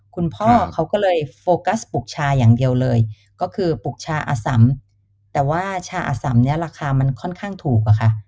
คุณพ่อเขาก็เลยโฟกัสปลูกชาอย่างเดียวเลยก็คือปลูกชาอสัมแต่ว่าชาอสัมเนี่ยราคามันค่อนข้างถูกอะค่ะ